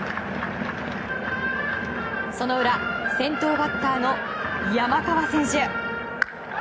その裏、先頭バッターの山川選手。